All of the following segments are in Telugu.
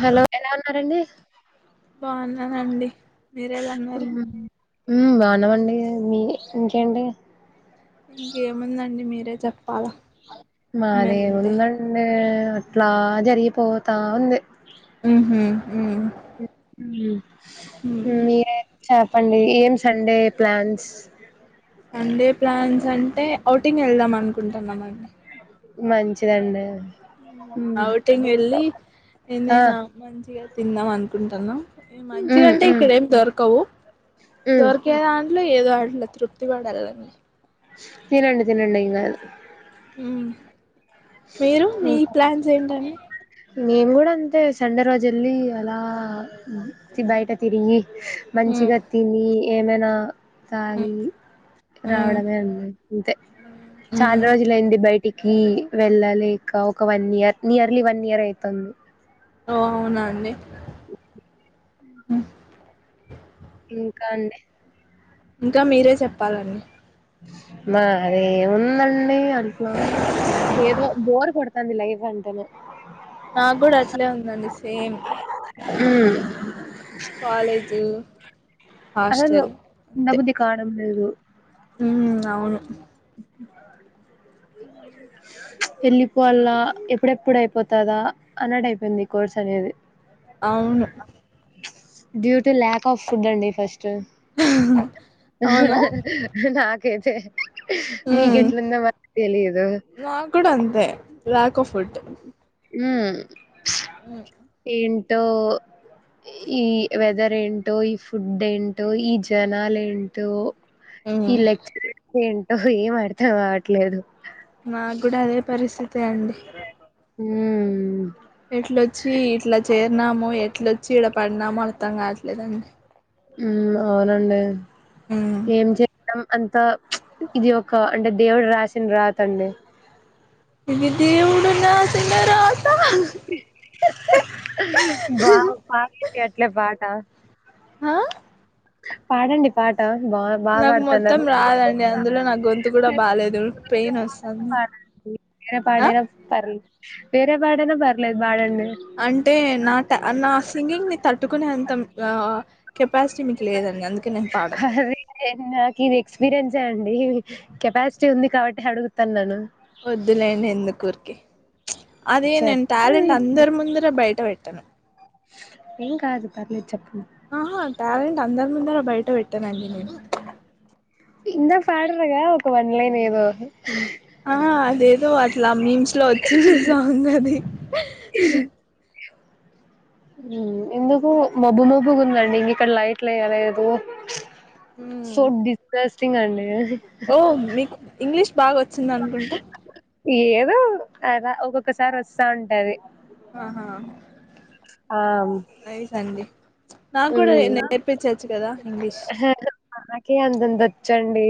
హలో ఎలా ఉన్నారండి బాగున్నానండి మీరెలా ఉన్నారు బానవండి మీ ఇంకేంటి ఇంకేముందండి మీరు చెప్ మాది ఏం ఉండండి అట్లా జరిగిపోతా ఉంది ఉమ్మ్ ఉ ఉమ్ మీరేం చెప్పండి ఏం సండే ప్లాన్స్ సండే ప్లాన్స్ అంటే అవ్టింగ్ వెళ్దాం అనుకుంటున్నా మండి మంచిదండి మ్మ్ అవుటింగ్ వెళ్ళి ఆ ఏదైనా మంచిగా తిందాం అనుకుంటున్నాం మ్మ్ మంచిగాంటే మ్మ్ ఇక్కడ ఏమి దొరకవు మ్మ్ దొరికే దాంట్లో ఏదో అట్ ట్ల తృప్తి పడాలండి తినండి తినండి ఏం కాదు ఉమ్ మీరు మీ ఇంకా ప్లాన్స్ ఏంటన్ డి మేము కూడా అంతే సండే రోజు వెళ్ళి అలా ఉమ్ బయట తిరిగి మంచిగా తిని ఏమైనా ఉమ్ తాగి ఉమ్ రావడమే ఉంది అంతే ఉమ్ చాలా ఉమ్ రోజుల అయింది బయ్ ట్ కిీ వెళ్ళలేక ఒక one year nearly one year అయితన్ది ఓ అవునా అండి ఉ ఇంకా అండి ఇంకా మీరే చెప్పాలండి మా అదే ఉన్నమ్ డి ఏదో బోర్ కొడత్ అది లైఫ్ అంటేనే నాకు గుడా అట్లే ఉందండి సేమ్ ఉమ్ కాలేజు అసలు హాస్టల్ అంతే ఉండబుద్ధి కావడం లేదు ఉమ్ అవును వెళ్ళిపోవలా ఎప్పుడెప్పుడు అయిపోతదా అన్నట్ అయిపోయింది ఈ కోర్స్ అనేది అవును due to lack of food అండి ఫస్ట్ చేస్ అవును [unintelligible] నాక్ కె చే మీకీ ఉమ్ ఎట్లుందో మాకు తెలియదు కోఫుట్ ఉమ్ ఉ టో ఈ వెదర్ ఏంటో ఈ ఫుడ్ ఏంటో ఈ జనాలు ఏంటో ఉమ్ ఈ లెక్చర్స్ ఏంట ఏం అర్థం కావట్లేదు నాకు కూడ అదే పరిస్థితి అండి హుం ఎట్లొ వచ్చి ఇట్లా చేరినాము ఎట్ల వోచి చిడ పడిన అర్థం కావట్లే లేదాండి హు అవునండి ఉమ్ ఏం చెయ్యం అంతే త ఇది ఒక అంటే దేవుడు రాసిన రాత అండి ఇది దేవుడు రాసిన రాత వావ్ పాటలు ఇంక ఏట్లే పాడు టాస్క్ ఆ పాడండి పాటా నాకు మొత్తం రాదండి అందులో నాకు గొంతు గుడా బాలేదు పెయిన్ వస్తుంది ఏ పాట ఆ అయినా పాడు వెరే పాట అయిన పర్లేదు పడండి అంటే నా నా సింగింగ్ ని తట్ పట్టుకునే అంత ఆ కెపాసిటీ మీకు లేదండి అందుకే నేను పాడను అరే నాకు ఇది ఎక్స్పీరియన్సే అండి కెపాసిటీ ఉంది కాబట్టి అడుగుతాను నను వద్దులెండి ఎందుకు ఓరికే అదే నేను టాలెంట్ చెప్తాలేండి అందరి ముందర బయట ఇ పెట్టను ఏం కాదు పర్లేదు చేపండి ఆహా ట్యాలెంట్ అందరు ముందర బయట పెత్తనండి నేను పాడరుగా ఒక వన్లైన్ ఏదో ఆ అదేదో అట్లా మీమ్స్ ఇట్లా వచ్చింది సాంగ్ అది ఎందుకు మబ్బు మబ్బుగా ఉందండి ఇంక ఇక్కడ లైట్లు వయ్యలేదు చోడ్ దశ చ్చింగ అండి ఓ మీకు ఇంగ్లీష్ బాగా వచ్చిందనుకుంటా ఏదో అలా ఒక్కొక్కసారి వస్తంటది ఆహా ఆ నా కూడా మ్ నేర్పించచ్చు కదా ఇంగ్లీష్ నాకే అంతంత వచ్చండి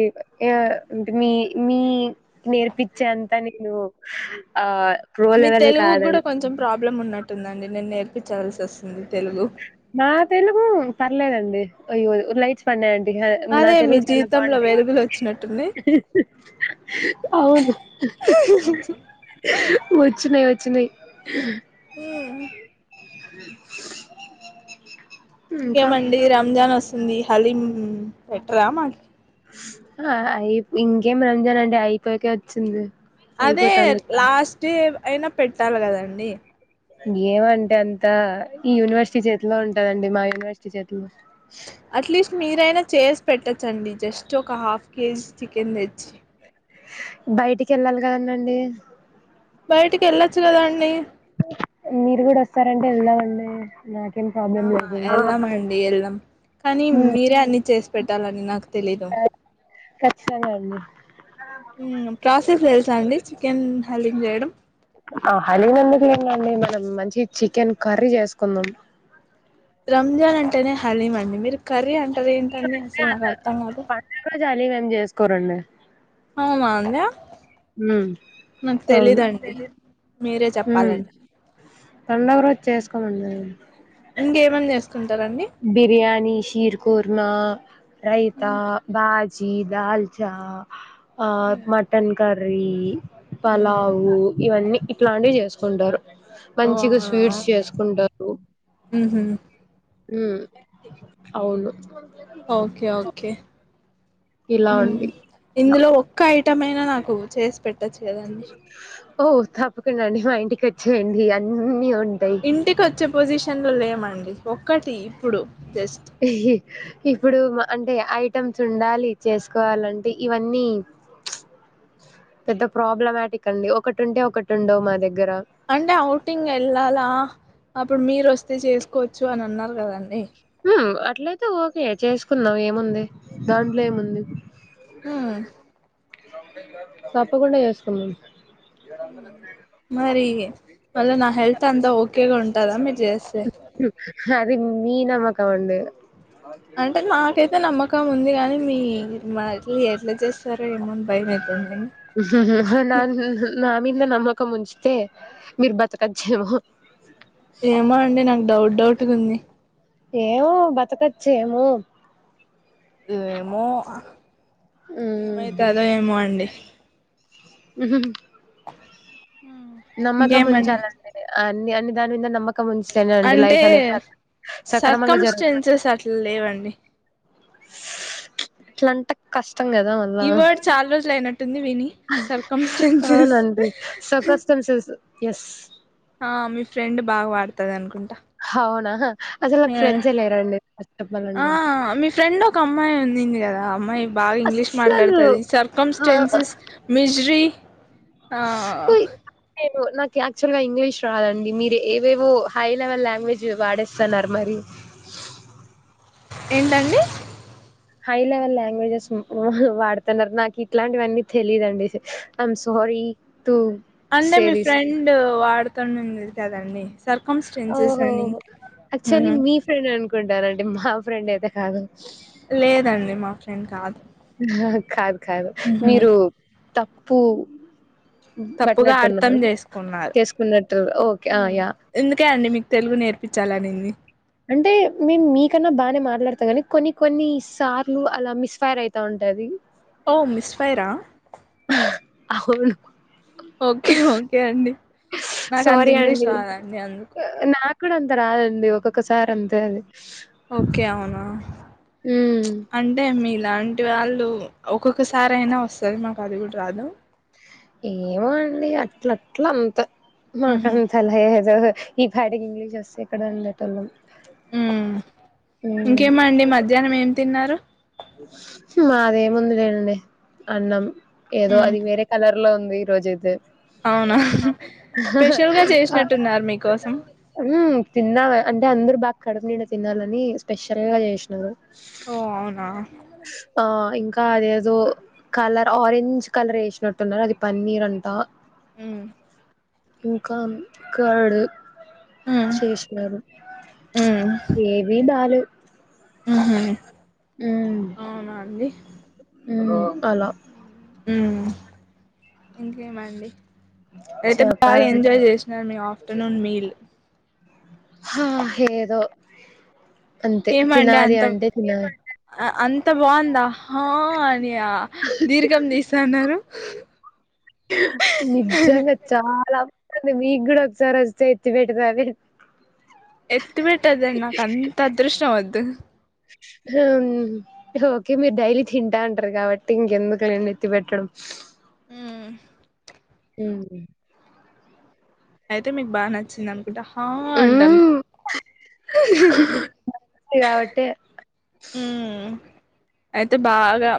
అంటే మీ మీ నేర్పచ్చే అంతా నేను ఆ ప్రో మీ లెవెల్ తెలుగుకు కాదండి కూడా కొంచెం ప్రాబ్ల బ్లమ్ ఉన్నట్టుందండి నేను నేర్పించాల్సి వస్తుంది తెలుగు నా తెలుగు పర్లేదండి అయ్యో లైట్స్ పన్నయ నా అదే మీ తెలుగు చాలా జీవితంలో బాగుంటాయి వెలుగులు వచ్చినట్టుంది అవును వచ్చినాయి తున్నాయ్ ఉ ఇంకా ఇంకేమండి రంజాన్ వోస్ ఉంది హలీం పెట్టరా మాకి అయి ఇంకేం రంజాన్ అండి అయిపోయేకే వచ్చింది అదే అయిపోతాంది. లాస్ట్యే అయినా పెట్టాలి కదండి ఏమంటే అంతా ఈ యూనివర్సిటీ చేతిలో ఉంటదండి మా యూనివర్సిటీ చేతిలో అట్లీస్ట్ మీరైనా చేస్ పెట్టచ్చండి జస్ట్ ఒక హాఫ్ కేజీ చికెన్ తెచ్చి బయటికి ఏళ్ళాలి కదండండి బయటికి ఏళ్ళొచ్చు కదండి మీరు కూడా వస్తారంటె వెళ్దామండి నాకి ఆహా ఎల్లం అండి ఎల్లం కానీ హ్మ్. మీరే అన్ని చేసి పెట్టాలని నాకు తెలీదు ఖచ్చితంగా అండి ఉమ్ ప్రాసెస్ తెలుస అండి చికెన్ హలీం చేయడం ఆ హలీం ఎందుకులెండండి మనం మంచి చికెన్ కర్రీ చేసుకుందాం రంజన్ అంటేనే హలీం అండి మీరు కర్రీ అంటే అదేటండి అసలు నాకు అర్థం కాదు లేదని చేసుకోరండి ఆమ అంద ఉమ్ అవును మీరే ఉమ్ చెప్పాలండి పండుగ రోజు చేసుకోమండి అ ఇంగేమని చేస్ బిర్యానీ శీర్ కుర్మా రైతా బాజ్ చ్చి దాల్ చా ఆ మటన్ కర్ వీయి మ్మ్ పలావు ఇవన్నీ ఇట్లాంటివి చేసుకుంటారు ఓ మంచిగా అవునా స్వీట్స్ చేసుకుంటారు. మ్మ్ హ్మ్ హ్మ్మ్ అవును ఓకే ఓకే ఇలా ఉమ్ అండి ఇందులో ఒక్క ఐ మైన నాకు చేసి పెట్ చేదండి ఓ తప్పకుండా అండి మా ఇంటికి వచ్చి రండి అన్ని ఉ ఇంటికి వచ్చే పొజిషన్ షన్లు లేమండి ఒక్కటి ఇప్పుడు జస్ట్ ఇప్పుడు మా అంటే ఐటమ్స్ ఉండాలి. చేసుకోవాలంటే ఇవన్నీ పెద్ద ప్రాబ్లమాటిక్ అండి. ఒకటి ఉంటే ఒకటి ఉండవు. మా దగ్ అంటే ఔటింగ్ ఎళ్లాల అప్పుడు మీరు వస్తే చేసుకోవచ్చు. అని అన్నారు కదండి. అట్లయితే ఓకే చేసుకుందాం ఏముంది. దాంట్లో ఏముం చ హ్మ్ తప్పకుండా చేసుకుందాం ఉమ్ మవిగే మళ్ళ నా హెల్త్ అంతా ఓకేగా ఉంటద మరి అది మీనమ్మకం అండి అంటే నాకైతే నమ్మకం కం ఉంది గాని మీ మన ఎట్లా చేత్తరో ఏమో అని భయమైతుందండి న నా మింద నమ్మకం కం ముంచితే మీరు బతకచ్చు ట్టుకుంది. ఏమో బతకచ్చెమో వేమో ఏమైతాదో ఏమో అండి ఉహుహు ఇంకేమండి నమ్మకముంచాలండి మీర అన్ని అన్ని దాని మింద నమ్మక్ అంటే సక్రమంగా సర్కంస్టెంచెస్ అట్ల లేవండి. ఇట్లంటే కష్ ఈ వర్డ్ చాలా రోజులు అయినట్టుంది విని సర్కంస్టెన్సస్ అవునండి సర్కస్టెన్సెస్ ఎస్ ఆ మీ ఫ్రెండ్ బాగా వాడతదనుకుంటా! అవునా అసలు నాకు మ్హా ఫ్రెండ్సే లేరండి ఫస్ట్ ఆ చెప్పాలంటే మీ ఫ్రెండ్ ఒక అమ్మాయి ఉన్నింది కదా! ఆ అమ్మాయి బాగా ఇంగ్లీష్ అస్సలు మాట్లాడతది. నా సర్కమ్స్టెన్సెస్, మిజ్రీ ఆ నేను నాకు యాక్చువల్ గా ఇంగ్లీష్ రాదండి. మీరు ఏవేవో హై లెవెల్ లాంగ్వేజ్ వాడేస్తన్నారు మరీ ఏంటండి? హై లెవెల్ లాంగ్వేజెస్ వాహు వాడుతన్నారు నాకు ఇట్లాంటివన్నీ తెలియదండి. ఐమ్ స్వారి అంటె మీ ఫ్రెండు వాడు తన్ తుంది కదండి. సర్కమ్స్టెన్సెస్ ఓహో అని యాక్చువలీ ఉమ్ మీ ఫ్రెండ్ అనుకుంటారండి మా. ఫ్రెండ్ అయితే కాదు. లేదండి మా ఫ్రెండ్ కాదు. కాదు. కాదు హుహు. మీరు తప్పు. తప్పుగా అర్థం పట్టినట్టున్నారు. చేసుకున్నారు. చేసుకున్నట్టు ఓకే. ఆ! యాహ్! ఇందుకే అండి మీకు తెలుగు నేర్ప్ పిచ్చాలనింది. అంటే మేం మీకన్నా బానే మాట్లాడతా కాని కొన్ని కొన్ని సార్లు అలా మిస్ ఫైర్ అయితా ఉంటాది. ఓ మిస్ ఫైర్ ఆ అవును. ఓకె ఓకె అండి. నాకు అంత సారీ ఇంగ్లీష్ అండి. రాదండి అందుకు నాకు అంత రాదండి ఒక్కొక్కసారి అంతే అది. ఓకే అవునా హ్మ్. అంటే మీరు ఇలాంటి వాళ్ళు ఒక్కొక్కసారి అయినా వస్తది మాకు అది కూడ రాదు. ఏమో అండి అట్లట్ల అంత ఉహు మాకంత లేదు ఈ పాటికి ఇంగ్లీషొస్తే ఎక్కడొ ఉండేటోళ్ళం హ్మ్ హ్మ్. ఇంకేమండి మధ్యాహ్నం ఏం తిన్నారు మాది ఏముందిలేనండి అన్నం ఏదో ఉమ్ అది వేరే కలర్ లో ఉంది ఈ రోజైతే అవునా స్పెషల్ గా చేసినట్టున్నారు మీకోసం మ్మ్ తిన్నావా అంటే అందురు బాగా కడుపు నిండ తినాలని స్పెషల్ గా చేసినాషినారు ఓ అవున ఆ ఇంకా అదేదో కలర్ ఆరెంజ్ కలర్ ఏసషినట్టున్నారు అది పన్నీరంటా. హ్మ్ ఇంకా కాడ్ ఉమ్ చేషినరు ఉమ్ ఏబీ బాలేవు ఉహు మ్మ్ అవునా అండి మ్మ్ అలా హ్మ్ ఇంకేమండి అయితే బాగా చెప్పాలంటే ఎంజాయ్ చేసినారు మీ ఆ టునున్ మీల్ హా ఏదో అంతే ఏమండి తినాలి అంతం అంటే తినాలి అ అంత బాగుం త హా అని ఆ దీర్ఘం తీస్తాన్నారు వీగూడ ఒక సారి అస్తే ఎత్తి బెటుకో అవి ఎత్తిబెట్టదండ్ నాకంత అదృష్టమద్ త్ ఓకే మీరు డైలీ తింటాంటరు కాబట్టి ఇంకెందుకు లేండెత్తిపెట్టడం. మ్మ్ హ్మ్ అయితే మీకు బాగా నచ్చిందం డహాండండ్ హ్మ్. కాబట్టే మ్మ్ అయితే బాగా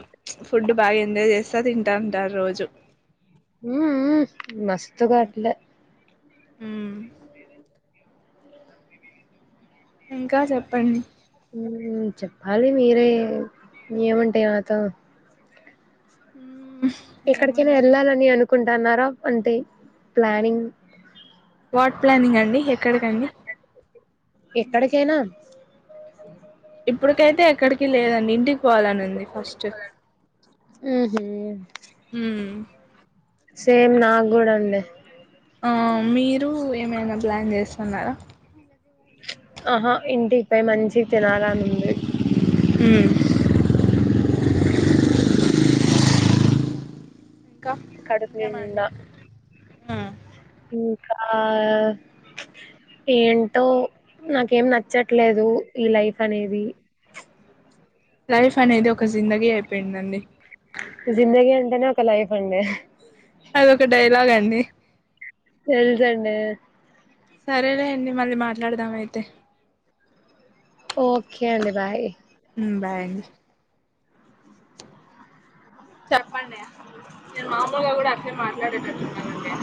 ఫుడ్ బాగా ఎంజాయ్ చేస్తా తింటాంటా రోజు హ మస్తగాట్లా అ ఇంకా చెప్పండి చెప్పాలి మీరే ఏమంటాయి నాతో ఉ ఎక్కడికైనా వెళ్ళాలని అనుకుంటు నార అంటే ప్లానింగ్ వాట్ ప్లానింగ్ అండి ఎక్కడికండి ఎక్కడికైనా ఇప్పుటికైతే ఎక్కడికి లేదండి ఇంటికి పోవాలనింది ఫస్ట్ హుహు. సేమ్ నాకు కూడాూ అండి ఆ మీరు ఏమైనా ప్లాన్ చేస్తున్నారా ఆహా ఇంటిపైయి మంచి సీత నారా నుంది ఇంకా కడు నింద ఆ ఇంకా ఏంటో నాకేం నచ్చట్లేదు ఈ లైఫ్ అనేది లైఫ్ అనేది ఒక జిందగీ అయిపోయిందండి ఇది ఒక లైఫ్ అండి అదొక డైలాగ్ అండి న్న [unintelligible] సరేలే అండి మల్లి మాట్లాడా ఎట్లాడదామ అయితే ఓకే అండి బాయ్ బాయ్ చెప్పండి నేను మామలుగా కూడా అట్టే మాట్లాడేటట్టున్నానండి